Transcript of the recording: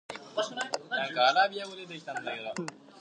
The party regularly publishes expense and income statements.